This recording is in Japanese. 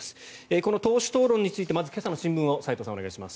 この党首討論についてまず今朝の新聞を斎藤さん、お願いします。